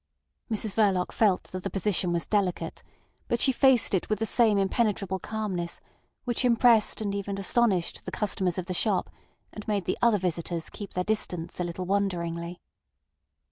Mrs Verloc felt that the position was delicate, but she faced it with the same impenetrable calmness which impressed and even astonished the customers of the shop and made the other visitors keep their distance a little wonderingly.